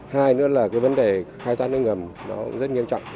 hai nữa là vấn đề khai thác nước ngầm rất nghiêm trọng